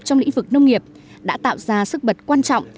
trong lĩnh vực nông nghiệp đã tạo ra sức bật quan trọng